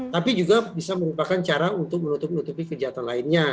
tapi juga bisa merupakan cara untuk menutupi kejahatan lainnya